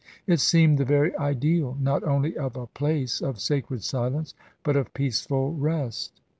It seemed the very ideal, not only of a place of sacred silence, but of peaceful rest.